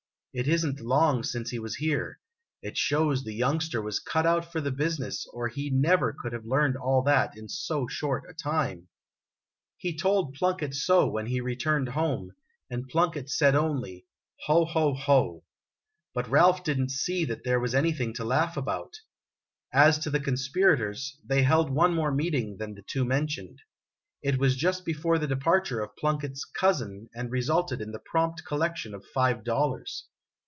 It is n't long since he was here. It shows the youngster was cut out for the business or he never could have learned all that in so short a time !' 1 68 IMAGINOTIONS He told Plunkett so, when he returned home, and Plunkett said only :" Ho ! ho ! ho !" But Ralph did n't see that there was anything to laugh at. As to the conspirators, they held one more meeting than the two mentioned. It was just before the departure of Plunkett's "cousin," and resulted in the prompt collection of five dollars.